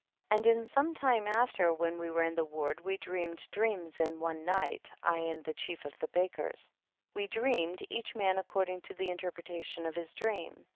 34. And in some time after when we were in the ward, we dreamed dreams in one night, I and the chief of the bakers ; we dreamed, each man according to the interpretation of his dream.